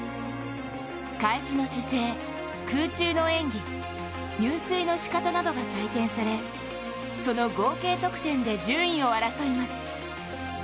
開始の姿勢、空中の演技、入水のしかたなどが採点され、その合計得点で順位を争います。